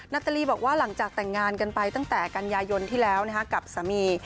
ตาลีบอกว่าหลังจากแต่งงานกันไปตั้งแต่กันยายนที่แล้วกับสามี